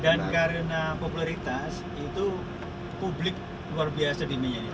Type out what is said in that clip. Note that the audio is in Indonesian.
dan karena popularitas itu publik luar biasa di menyenangkan